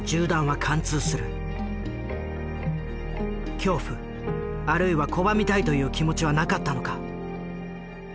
恐怖あるいは拒みたいという気持ちはなかったのか？